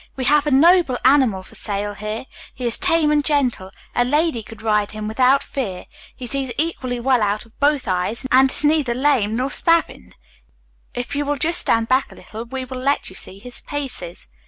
"We have a noble animal for sale here. He is tame and gentle. A lady could ride him without fear. He sees equally well out of both eyes and is neither lame nor spavined. If you will just stand back a little we will let you see his paces."